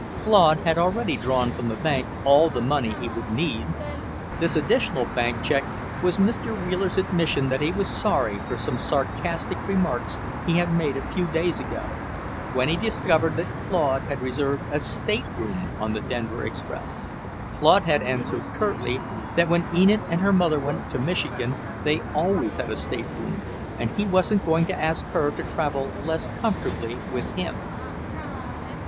Claude had already drawn from the bank all the money he would need. This additional bank check was Mr. Wheeler's admission that he was sorry for some sarcastic remarks he had made a few days ago, when he discovered that Claude had reserved a stateroom on the Denver express. Claude had answered curtly that when Enid and her mother went to Michigan they always had a stateroom, and he wasn't going to ask her to travel less comfortably with him.